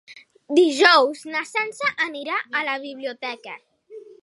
Dijous na Sança anirà a la biblioteca.